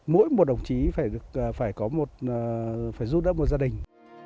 mỗi một đồng chí phải giúp đỡ một gia đình